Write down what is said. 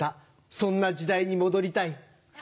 そんな時代に戻りたい。